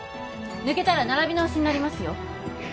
抜けたら並び直しになりますよ！